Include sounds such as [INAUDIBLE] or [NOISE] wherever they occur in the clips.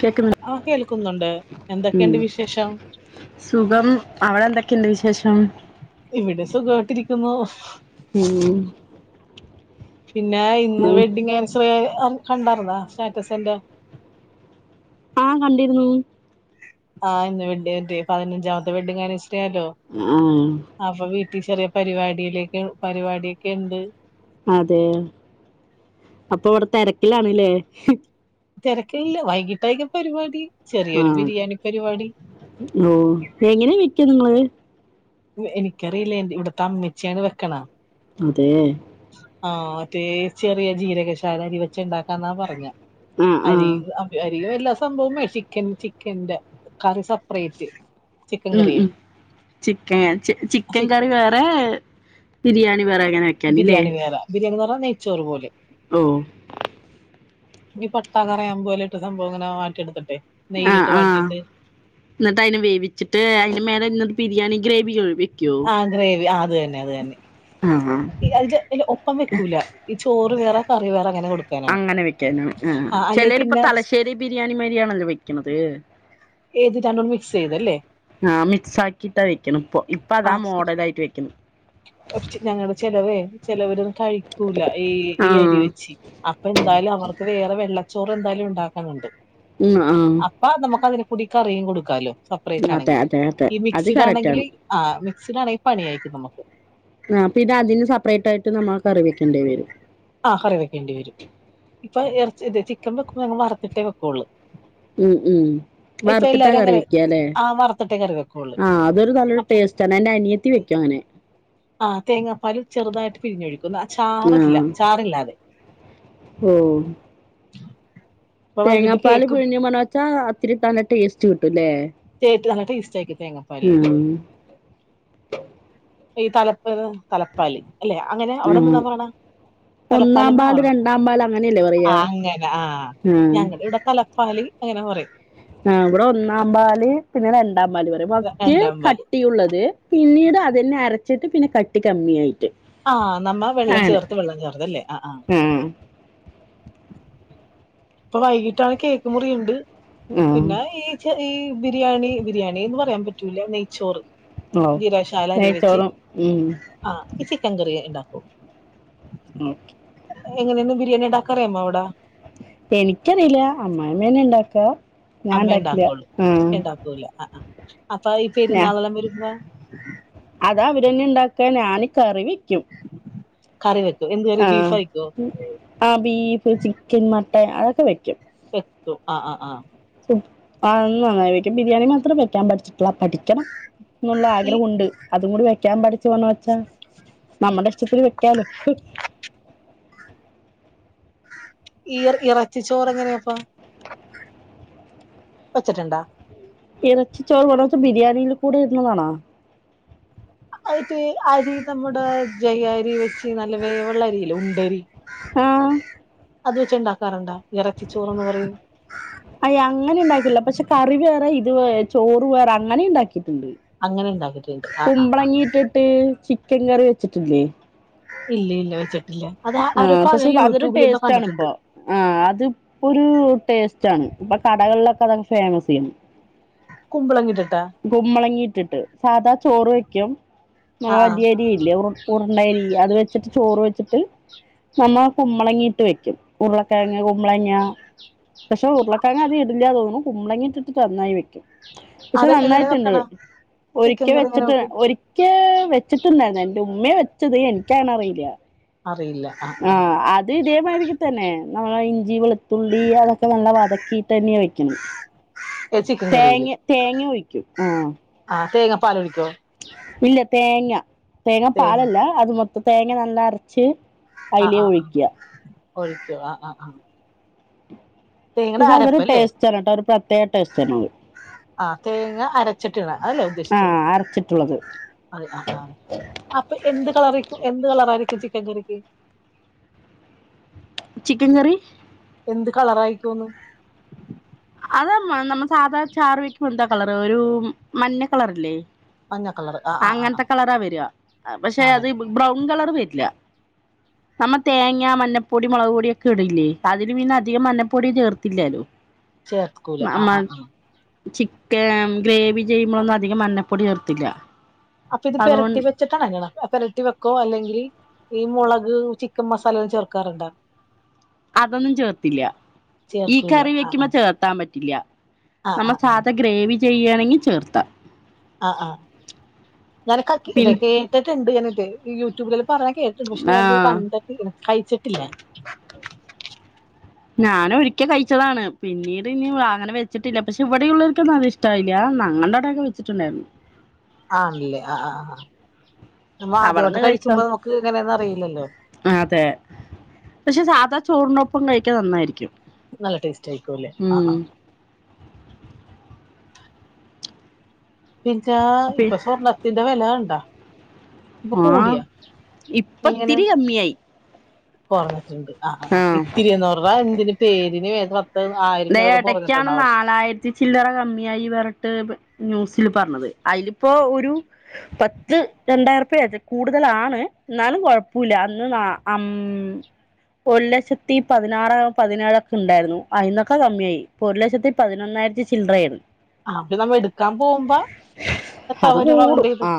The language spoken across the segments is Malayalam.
കേക്കുന്നു ആ കേൾക്കുന്നുണ്ട് ഉം. എന്തൊക്കെയുണ്ട് വിശേഷം എന് വിശേഷം ഇവിടെ സു കേട്ടിരിക്കുന്നു ഉം പിന്നെ ഇന്ന് വെഡിങ്ങാനിവേഴ്സറി ആയത് ആ കണ്ടാർന്നാ സ്റ്റാറ്റസെന്റെ ആഹ കണ്ടിരുന്നു ആഹ വെഡ ന്റെ പതിനഞ്ചാമത്തെ വെഡിങ്ങാനു റ്റേതൊ ആ അപ്പൊ വീ ട്ടി ചെറിയ പരിപാടിയിലേക്ക് പരിപാടിയൊക്കെ ഉണ്ട് അതെ അപ്പൊ അവിടെ തിരക്കിലാണല്ലേ തിരക്കില്ല വൈകിട്ടേയ്ക്ക പരിപാടി ചെറിയൊരു ആഹ ബിരിയാണി പരിപാടി ഓ എങ്ങനാ വെക്ക നിങ്ങള് എ എനിക്കറിയില്ല എന്റെ ഇവിടുത്തെ അമ്മിച്ചയാണ് വെക്കണെ അതെ ആഹ മറ്റേ ചെറിയ ജീരകശാല അരിവെച്ചുണ്ടാക്കാന്നാ പറഞ്ഞെ ആ ആ അരി അരില് വെല്ലോം സംഭവമേ ചിക്കൻ ചിക്കന്റെ കറി സെപ്പറേറ്റ് ചിക്കൻ ഉം കറിയേ ഉം ചിക്കൻ ചിക്കൻ കറി വേറെ ബിരിയാ ണി വേറെ അങ്ങനെ വയ്ക്കാനല്ലേ ബിരിയാണി വേറെ ബിരിയാണി എന്ന് പറഞ്ഞാ നെയ്ച്ചോറ് പോലെ ഓ ഈ പട്ടാ കറയാമ്പു എല്ലായിട്ട് സംഭവം ഇങ്ങനെ വാട്ടിയെടുത്തിട്ടെ ആഹ് നെയ്യിലിട്ട് ആഹ് വാട്ടിയിട്ട് എന്നിട്ട് അയിന് വേവിച്ചിട്ട് അയിന് മേലെ [UNINTELLIGIBLE] ബിരിയാണി ഗ്രേവിയൊ ആഹ് ഗ്രേവി ആ അതന്നെ അതന്നെ ആ ഈ അതിന്റെ [UNINTELLIGIBLE] ഒപ്പം വെക്കൂല ഈ ചോ വേറെ കറി വേറെ അങ്ങനെ കൊടുക്കാനാണ് അങ്ങനെ വെക്കാന ആ അല്ലെ ചെലരിപ്പ പിന്നെ തലശ്ശേരി ബിരിയാണിമാരിയാണല്ലോ വെക്കണത് ഏത് രണ്ടും മിക്സ് ചെയ്തല്ലേ ആഹ് മിക്സ് ആക്കിട്ടാ വെയ്ക്കണ് ഇപ്പൊ ആ ഇപ്പതാ മോഡലായിട്ട് വെയ്ക്കിണ് തെ ചെലവര് കഴിക്കൂല ഈ ഈ ആഹ് അരി വെച്ചി അപ്പ എന്തായാലും അവ അപ്പോ വേറെ വെള്ളച്ചോറ് എന്തായാലും ഉണ്ടാക്കണണ്ട് ഉം ആഹ് അപ്പ നമുക്ക് അതിന് കൂടിക്കറിയും കൊടുക്കാലോ സെപ്പറേറ്റ് അതെ ആണെങ്കിൽ അതെ അതെ ഈ അത് മിക്സിഡ് ആണെങ്കിൽ കറക്റ്റാണ് ആ [UNINTELLIGIBLE] പണിയായ്ക്കും നമ്മക്ക് ആ പിന്നതിന് സെപ്പറേറ്റ് ആയിട്ട് നമ്മ കറിവെക്കേണ്ടി വരും ആ കറി വെക്കേണ്ടി വരും ഇപ്പൊ ഇറച്ചി ചിക്കൻ വെക്കുമ്പോ ഞങ്ങൾ വറുത്തിട്ടേ വെക്കുള്ളൂ ഉം ഉം ഇപ്പൊ വറുത്തിട്ടാ എല്ലാരും കറി അങ്ങനെ വെക്യാല്ലേ ആ വറുത്തിട്ടേ കറി വെക്കുള്ളൂ ആഹ അതൊരു നല്ലൊരു അപ്പൊ ടേസ്റ്റാണ് എന്റെ അനിയത്തി വെക്കും അങ്ങനെ ആ തേങ്ങ പാലും ചെറുതായിട്ട് പിഴിഞ്ഞൊഴിക്കുന്നു ആ ചാറില്ല ആഹ് ചാറില്ലാതെ ഓ ഇപ്പൊ വൈകിട്ട് തേങ്ങാപ്പാല് കേക്കും പിഴിഞ്ഞു മണോച്ചാ ഇത്തിരി തണു ടേസ്റ്റ് കിട്ടൂല്ലേ [UNINTELLIGIBLE] അങ്ങനെ ടേസ്റ്റായിരിക്കും തേങ്ങപാല് ഈ തലപ്പ് തലപ്പാല് അല്ലെ അങ്ങനെ ആഹ് അവിടെന്തന്നാ പറയണ് തലപ്പാല് ഒന്നാം എന്നാണോ പാല് പറയണെ രണ്ടാം പാല് അങ്ങനെയല്ലേ ആ പറയാ അങ്ങനെ ആ ആഹ് ഞങ്ങളിവിടെ തല പാല് അങ്ങനെ പറയും ആ ഇവിടെ ഒന്നാമ്പാല് പിന്നെ ര രണ്ടാം പാല് പറയും ഫസ്റ്റ് രണ്ടാം പാൽ കട്ടിയുള്ളത് പിന്നീട് അതെന്നെ അര വച്ചിട്ട് പിന്നെ കട്ട് കമ്മിയായിട്ട് ആഹ നമ്മ വെള്ളം അങ്ങനെ ചേർത്ത് വെള്ളം ചേർത്ത് അല്ലേ ആ് ആ് ആ ഇപ്പൊ വൈകിട്ടാണ് കേക്ക്‌ മുറി ഉണ്ട് ആ പിന്നെ ഈ ഈ ബിരിയാണി ബിരിയാണി എന്ന് പറയാൻ പറ്റൂല നെയ്ച്ചോറ് ഓ ജീരകശാല നായ്യ് ചോറും ഉ ഇ ചിക്കൻ കറി ഉണ്ടാക്കൂ മ എങ്ങനെയൊന്നും ബിരിയാണി ഉടാക്കാറിയമ്മോ അവിടെ എനിക്കറിയില്ല അമ്മാമ്മേനെ ഉണ്ടാക്കാ അമ്മ ഉണ്ടാക്കള്ളൂഞാൻ ഉണ്ടാക്കൂല ആ അപ്പൊ ഈ ഞാ പെരുന്നാളെല്ലാം വരുബോൾ അതാ അവരെന്നെ ഉണ്ടാക്കുക ഞാൻ കറി വെക്കും കറി വെക്കും എന്ത് കറി ആഹ ബീഫ് ആയിക്കോ ആ ബീഫ് ചിക്കൻ മട്ടൻ അതൊക്കെ വയ്ക്കും എ ആ ആ് ആഹ ആ നന്നായി വെക്കും ബിരിയാണി മാത്രം വെക്കാൻ പഠിച്ചിട്ടി പഠിക്കണം എന്നുള്ള ഈ ആഗ്രഹംണ്ട് അതും കൂടി ക്ൻ പഠിച്ചു പോണു വച്ചാ നമ്മുടെ ഇഷ്ടത്തിൽ വെക്കാലോ ഈർ ഇറച്ചി ചോറ് എങ്ങനെയപ്പം വെച്ചിട്ണ്ടാ ഇറച്ചി ചോറ് [UNINTELLIGIBLE] ബിരിയാണിൽ കൂടെ ഇടുന്നതാണാ അത്പ്പെ അരി നമ്മുടെ ജെയാ അരി വെച്ച് നല്ല വേവ്ള്ള അരില്ലെ ഉണ്ടരി ആ അത് വെച്ച് ഉണ്ടാക്കാറുണ്ടാ ഇറച്ചിച്ചോറ്ന്ന് പറയും അയ് അങ്ങനെ ഉണ്ടാക്കില്ല പക്ഷെ കറി വേറെ ചോറ് വേറെ അങ്ങനെണ്ടാക്കി അങ്ങനെണ്ടാക്കല് കുമ്പളങ്ങി ഇട്ടിട്ട് ക്കൻ കറി വെച്ചിട്ടില്ലേ ഇല്ല ഇല്ല വെച്ചിട്ട് ആ പക്ഷെ അതൊരു ടേസ്റ്റ് കണ്ടിട്ടുണ്ട് ആണ്പ്പൊ ആ അതിപ്പോ ഒരു ടേസ്റ്റ് ആണ് ഇപ്പ കടകൾലൊക്കെ അത് ഫേമസെ കുമ്പളങ്ങ് ഇട്ട് കുമ്പളങ്ങിട്ടിട്ട് സാധാ ചോറ് വെക്കും ആ ആ വലിയ അരി ഇല്ലേ ഉ ഉരുണ്ട അരി അത് വെച്ചിട്ട് ചോറ് വെ ട്ട് നമ്മ കുമ്പളങ്ങി വെക്കും ഉരുളകെഴങ് മ്പളങ്ങ പക്ഷെ ഉരുളകെഴങ്ങ് അതികം ഇടില്ല തോന്നുന്നു പുമ്പളങ്ങിട്ടിട്ട് നന്നായി വെക്കും പക്ഷെ അത് എങ്ങനെ നന്നായിട്ണ്ട് വെക്കണ ഒരിക്ക ചിക്കൻ കറി എങ്ങനെ വെച്ചിട്ട് വെക്കും ഒരികെ വെച്ചിട്ടുണ്ടായിരുന്നു എന്റെ ഉമ്മയാ വെച്ചത് എനിക്ക് അറിയില്ല അറിയില്ല ആ ആ [UNINTELLIGIBLE] തന്നെ നമ്മളെ ഇഞ്ചി വെളുത്തുള്ളി അതൊക്കെ നല്ല വതക്കിട്ട് തന്നെയാ വെക്ണേ ഏ ചിക്കൻ കറിയില്ലെ തേങ്ങ ഒഴിക്കും ആ ആ തേങ്ങാ പാലൊഴിക്കോ ഇല്ല തേങ്ങ തേങ്ങാ തേങ്ങ പാലല്ല അത് മോത് തേങ്ങ നല്ല അരച്ച് ആ അതിലേ ആ ആ ഒഴിക്കുക ഒഴിക്കോ ആ ആ ആ തേങ്ങയുടെ പക്ഷെ അതൊരു അരപ്പല്ലേ ടേസ്റ്റാണ് കേട്ടോ ഒരു പ്രത്യേക ടേസ്റ്റാണ് അത് ആ തേങ്ങ അരച്ചിട്ടിണ അതല്ലേ ആ ഉദ്ദേശിചെ അരച്ചിട്ടുള്ളത് അത് ആ ആ അപ്പൊ എന്ത് കളറയ്ക്കും എന്ത് കളറായിരിക്കും [UNINTELLIGIBLE] ചിക്കൻ കറി എന്ത് കളറായിക്കോന്ന് അതാ നമ്മൾ സാധാരണ ചാർ വയ്ക്ക് വന്താ കളർ ഒരു മഞ്ഞ കളറല്ലേ മഞ്ഞ കളർ ആ ആ ആ ആ അങ്ങനത്തെ കളറാ വരാ പക്ഷെ അത് ആണല്ലേ ബ്രൗൺ കളർ വരില്ല നമ്മ തേങ്ങ മഞ്ഞപ്പൊടി മുളക് പൊടിയൊക്കെ ഇടില്ലേ അതിനു പിന്നെ അധികം മഞ്ഞപ്പൊടി ചേർത്തില്ലല്ലോ ചേർകൂല ആഹ് നമ്മ ആഹ് ചിക്കൻ ഗ്രേവി ചെയ്യുമ്പോഴൊന്നും അധികം മഞ്ഞപ്പൊടി ചേർത്തില്ല അപ്പൊ ഇത് അതുകൊണ്ട് പെരട്ടി വെച്ചിട്ടാണ് അങ്ങനെ പെരട്ടി വെക്കോ അല്ലെങ്കിൽ ഈ മുളക് ചിക്കൻ മസാലയെല്ലാം ചേർക്കാറുണ്ടോ അതൊന്നും ചേർത്തില്ല ഈ ചേർക്കൂല കറി ആ വെക്കുമ്പോ ചേർത്താൻ പറ്റും ഇല്ല ആ ആ നമ്മൾ സാധാ ഗ്രേവി ചെയ്യുകയാണെങ്കിൽ ചേർത്താം ആഹ് ആഹ് ഞാനൊ പിൻ [UNINTELLIGIBLE] കേട്ടിട്ടുണ്ട് ഞ യൂട്യൂബില് പറഞ്ഞ കേട്ടിട്ടണ്ട് പക്ഷെ ഞാനത് ആഹ് കണ്ടിട്ട് കഴിച്ചിട്ടില്ല ഞാനൻ ഒരിക്കെ കഴിച്ചതാണ് പിന്നീട് ഇനി അങ്ങനെ വെച്ചിട്ടില്ല പക്ഷെ ഇവിടെള്ളവർക്കൊന്നും അത് ഇഷ്ടായില്ല ഞങ്ങളുടെ ആടൊക്കെ വെച്ചിട്ടുണ്ടായിരുന്നു ആണല്ലേ ആ ആ ആ നമ്മ ആദ്യമായിട്ട് അവിടെന്ന് കഴിച്ചതാ കഴിക്കുമ്പോ നമുക്ക് ഇങ്ങനെയൊന്നും അറിയിലല്ലോ പക്ഷേ സാധാ ചോറിനൊപ്പം കഴിക്കാൻ നന്നായിരിക്കും നല്ല ടേസ്റ്റ് ആയിരിക്കോല്ലെ ആ ഉം ആ [UNINTELLIGIBLE] അപ്പെ ഇപ്പൊ സ്വർണ്ണത്തിന്റെ വില കണ്ടാ ഇപ്പൊ ആഹ് കൂടിയാ ഇപ്പ എങ്ങനെ ഇത്തിരി കമ്മിയായി കൊറഞ്ഞിട്ടുണ്ട് ആ ആ ആഹ് ഇത്തിരി എന്ന് പറഞ്ഞ എന്തിന് പേരിന് വേണ്ടി ദേ ഇടയ്ക്കാണ് നാലായിരത്തി ചില്ലറ കമ്മിയായി പറഞ്ഞിട്ട് ന്യൂസിൽ പറഞ്ഞത് അതിലിപ്പോ ഒരു പത്ത് രണ്ടായിര രുപ്പയ കൂടുതലാണ് എന്നാലും കുഴപ്പല്ല അന്ന് ഉം ഒരു ലക്ഷത്തി പതിനാറ് പതിനേഴൊക്കെ ഉണ്ടായിരുന്നു അതിന്നൊക്കെ അക്ക കമ്മിയായി ഇപ്പൊ ഒരു ലക്ഷത്തി പതിനൊന്നായിരത്തി ചില്ലറ ആയി ആ അത് നമ്മ എടുക്കാൻ പോകുമ്പോ അത് എത്രതരും റൗണ്ട് കൂടും ചെയ്ത് ആ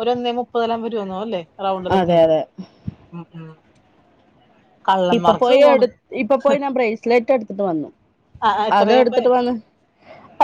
ഒരു ഒന്നേ നുപ്പത് [UNINTELLIGIBLE] അല്ലേ റൗണ്ട് എല്ലാം അതെ ചെയ്ത് അതെ ഉം ഉം ഇപ്പൊ കള്ളന്മാർക്ക് പോയി സുഖാണ് എടു ഇപ്പൊ പോയി ഞാൻ ബ്രേസ്ലെറ്റ് എടുത്തിട്ട് വന്നു ആ അത് എത്രയാപ്പ എടുത്തിട്ട് വന്ന്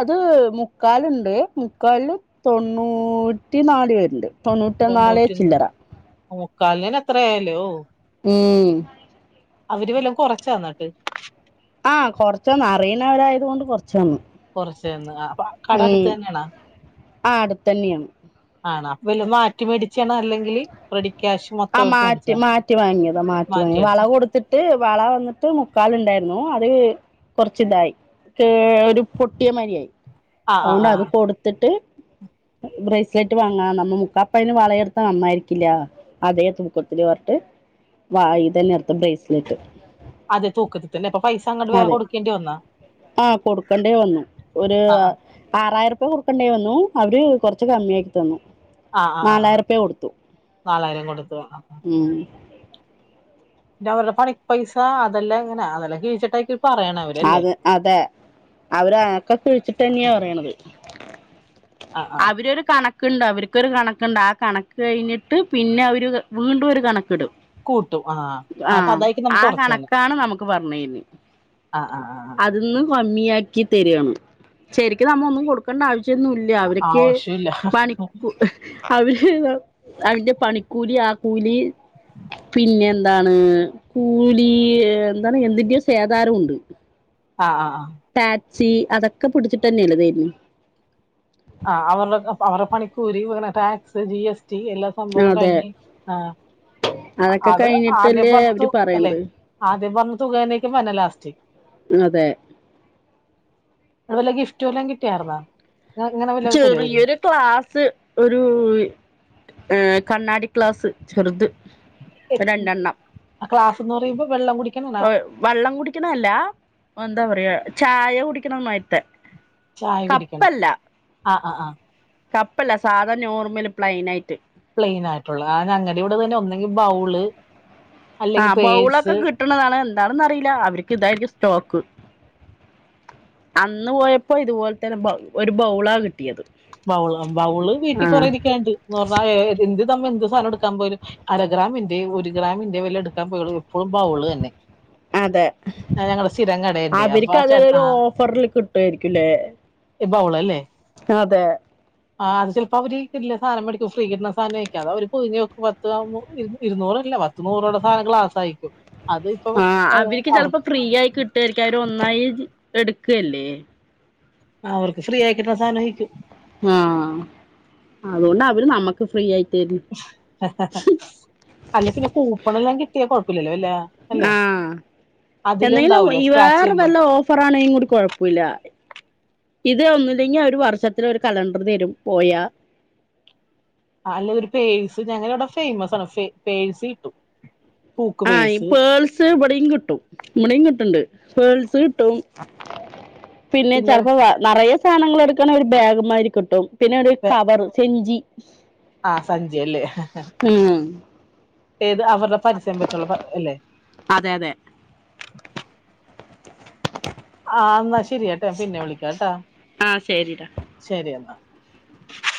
അത് മുക്കാലുണ്ട് മുക്കാല് തൊണ്ണൂറ്റി നാല് വരുന്നിണ്ട് തൊണ്ണൂറ്റി മുക്കാലിന് തന്നെ അത്ര ആയല്ലോ മ്മ് അവര് വല്ലം കൊറച്ചോ എന്നിട്ട് ആ കൊറച്ചൊന്ന് അറിയുന്നവരായത കൊണ്ട് കൊറച്ച് കുറച്ചന്ന് അപ്പൊ കട അടുത്ത് ഉം തന്നെയണാ ആ അടുത്തന്നെയാണ് ആണാ വല മാറ്റി മേടിച് ആ മാറ്റി മേടിച്ചാ മാറ്റി വാങ്ങിയതാ മാറ്റി വാങ്ങിയ വള കൊടുത്തിട്ട് വള വന്നിട്ട് മുക്കാലുണ്ടായിരുന്നു അത് കൊറച്ച ഇതായി ഒരു പൊട്ടിയ മരിയായി ആ ആ അത്കൊണ്ട് ആ അത് കൊടുത്തിട്ട് ബ്രേസ്ലെറ്റ് വാങ്ങണം നമ്മ മുക്കാപ്പയന് വളയ എടുത്ത നന്നായിരിക്കും ില്ല അതേ തൂക്കത്തില് വരട്ട് വ ഇതന്നെടുത്ത് ബ്രേസ്ലെറ്റ് അതെ തൂക്കത്തി തന്നെ പ്പം പൈസ അങ്ങോട്ട് വേറെ അതെ കൊടുക്കേണ്ടി വന്നാ ആ കൊടുക്കണ്ടേ വന്നു ഒരു ആ ആ ആറായിരം രുപ കൊടുക്കണ്ടേ വന്നു അവര് കുറച്ച് കമ്മിയ ആക്കി തന്നു ആ ആ ആ നാലായിരംുപ കൊടുത്തു നാലായിരം കൊട് ത്തു ആ ഉം താ പറഞ്ഞ പണി പൈസ അതെല്ലാം ഇങ്ങനെ അതെല്ലാം കീഴിച്ചിട്ടായി അത് അതെ അവര ഒക്കെ കിഴിച്ചിട്ടന്ന്യാ പറയണത് ആഹ് ആഹ് അവ് രൊരു കണ ക്ക് ണ്ട് അവര്ക്കൊരു കണക്ക്ണ്ട് ആ കണക്ക് കയിഞ്ഞിട്ട് പിന്നെ അവര് ത് വീണ്ടും ഒരു കണക്ക് ടും കൂട്ടും ആഹ് ആ ആഹ് കഥായിക്ക് ആ നമുക്ക് കൊറച്ച് തരാം കണക്കാണ് നമുക്ക് പറഞ്ഞെര്ന് ആഹ് ആഹ് ആഹ് അത്ന്ന്നും വണിയാക്കി [UNINTELLIGIBLE] ശെരിക്കും നമ്മൾ ഒന്നും കൊടുക്കേണ്ട ആവശ്യം ന്നുല്ല്യ അവര്ക്കെ ആവശ്യമില്ല പണി അവര് അവ്ന്റെ പണിക്കൂലി ആക്കൂലി പിന്നെ എന്താണ് കൂലി എന്താണ് എന്തിന്റെ ഓഹ് സേതാരുണ്ട് ആ ആ ടാക്സി അതൊക്കെ പിടിച്ച്ട്ടന്ന്യല്ലേ തെര്ന് ആ അവര്ടെക്കെ അവര്ടെ പണിക്കൂലി വേറെ ടാക്സ് ജി എസ് ഈ എല്ലാ സംഭവോം അതെ കഴിഞ്ഞ് ആ അതൊക്കെ അത് ആദ്യം കഴിഞ്ഞിട്ടല്ലേ പറഞ്ഞ തു അവര് അല്ലെ പറയണത് ആദ്യം പറഞ്ഞ് തൂകാനേക്കും വര്നം ലാസ്റ്റ് മ് അതെ അതുപല്ല ഗിഫ്റ്റ് വല്ലൊം കിട്ടിയാർന്നാ ചെറിയൊരു ക്ലാസ് ഒരു ഏഹ് കണ്ണാടി ക്ലാസ് ചെറുത് രണ്ടെണ്ണം ക്ലാസ് ന്ന് പറയുമ്പോ വെള്ളം കുടി വ വള്ളം കുടിക്കണല്ലാ എന്താ പറയാ ചായ കുടിക്കണമാരിത്തെ ചായ കുടിക്കണം ആഹ് ആഹ് ആഹ് കപ്പല്ല സാധാ നോർമല് പ്ലൈൻ ആയ്ട്ട് പ്ലെയിൻ ആയിട്ടുള്ള അങ്ങടെ ഇവടന്നന്നെ ഒന്നെങ്കിൽ ബൗള് അല്ലെങ്കിൽ ആഹ് പേഴ്സ് ബൗളൊക്കെ കിട്ടണതാണ് എന്താണെന്ന് അറിയില്ല അവർക്ക് ഇതായിരിക്കും സ്റ്റോക്ക്. അന്ന് പോയപ്പോ ഇതുപോൽത്തര ബൗ ഒരു ബൗളാ കിട്ട ബൗള് ബൗള് വീട്ടിൽ കെറേ ഇരിക്കാ ണ്ട് എന്ന് പറഞ്ഞാൽ എന്ത് പ്പ നമ്മൾ എന്ത് സാനം എടുക്കാൻ പോയാലും അര ഗ്രാമിന്റെ ഒരു ഗ്രാമിന്റെ വല്ല എടുക്കാൻ പോയോ അതെ ഞങ്ങളുടെ സ്ഥിരം കടയുണ്ട് അപ്പൊ അവർക്ക് ആ ചെ ആ അതെരു ഓഫറ്‌ല് കിട്ടായിരിക്കുല്ലേ? എ ബൗൾഅല്ലേ? അതെ ആ അത് ചെലപ്പോ അവര് കിടിലം സാധനം മെടിക്കും ഫ്രീ കിട്ടണ സാനയിരിക്കും അത് അവര് പൊതിഞ്ക്കും പത് [UNINTELLIGIBLE] ഇരുന്നൂറല്ല പത്തൂനൂറുടെ സാധനം ഗ്ലാസരിക്കും. ആഹ് അവര്ക്ക് ചിലപ്പേ ഫ്രീ ആയി കിട്ടൊയിരിക്കാരം അവര് ഒന്നായി എടുക്കയല്ലേ ആഹ് ഓൽക്ക് ഫ്രീ ആയികിട്ടണ സാനം വിക്കും. ആഹ് അതോണ്ട് അവര് നമ്മക്ക് ഫ്രീ യായി. അല്ല പിന്നെ കൂപ്പണെല്ലാം കിട്ടിയാ കുഴപ്പ ല്ലല്ലോ അല്ലെ ആ എന്തെങ്കിലും അതിലുണ്ടാവൂലേ സ്ക്രാച്ച് വേറെ ചെയ്യുമ്പോ വല്ല ഓഫറ ആണെങ്കിലും കൂടി കുഴപ്പമില്ല ഇത് ഒന്നില്ലെങ്കിൽ ഒരു വർഷത്തില ഒരു കലണ്ടർ തരും പോയാ ആ അല്ല ഒരു പേഴ്സ് ഞങ്ങ അവിടെ ഫേയ്മസ് ആണ് ഫേ പേഴ്സ് കിട്ടു ആ ഇമ്മണിം കിട്ടുണ്ട് പേഴ്സ് കിട്ടും പിന്നെ ചെിലപ്പോവ നിറയെ സാനങ്ങൾ എടുക്കണ ഒരു ബാഗ്മാതിരി കിട്ടും പിന്നെ ഒരു കവർ ചെഞ്ചി ആഹ് സഞ്ചിയല്ലേ ഉം ഏത് അവരുടെ പരസ്യം വെച്ചുള്ള പ അല്ലേ അതെ അതെ ആഹ് എന്നാ ശരിയാട്ടെ പിന്നെ വിളിക്കാട്ടാ ആ ശരിടാ ശരി എന്നാ